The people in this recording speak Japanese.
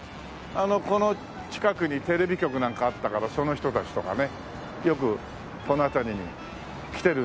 この近くにテレビ局なんかあったからその人たちとかねよくこの辺りに来てるんでしょうけどもね。